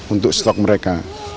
untuk stok mereka